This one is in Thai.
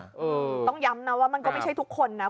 ต้องย้ำนะว่ามันก็ไม่ใช่ทุกคนนะ